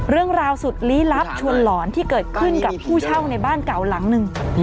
เรื่องราวสุดลี้ลับชวนหลอนที่เกิดขึ้นกับผู้เช่าในบ้านเก่าหลังหนึ่ง